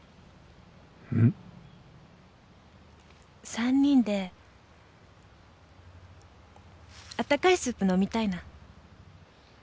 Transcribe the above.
３人であったかいスープ飲みたいな。